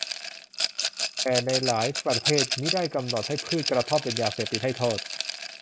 แต่ในหลายประเทศมิได้กำหนดให้พืชกระท่อมเป็นยาเสพติดให้โทษ